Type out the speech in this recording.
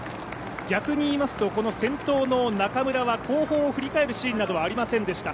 逆に言いますと、先頭の中村は後方を振り返るシーンなどはありませんでした。